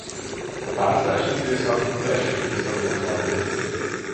A párzási időszak az esős évszakban zajlik.